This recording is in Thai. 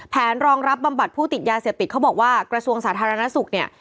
รองรับบำบัดผู้ติดยาเสพติดเขาบอกว่ากระทรวงสาธารณสุขเนี่ย